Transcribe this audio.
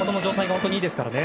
本当にいいですからね。